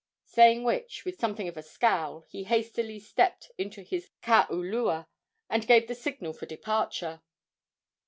Saying which, with something of a scowl he hastily stepped into his kaulua and gave the signal for departure.